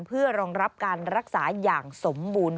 เพื่อรองรับการรักษาอย่างสมบูรณ์